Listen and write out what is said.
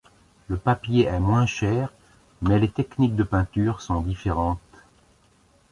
Le papier est moins cher, mais les techniques de peinture sont différentes.